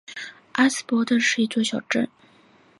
阿什伯顿是位于英国英格兰西南部德文郡的一座小镇。